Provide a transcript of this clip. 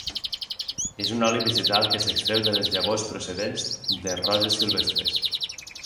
És un oli vegetal que s'extreu de les llavors procedents de roses silvestres.